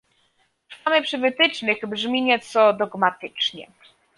"Trwamy przy wytycznych" brzmi nieco dogmatycznie